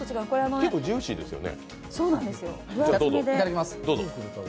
結構、ジューシーですよね。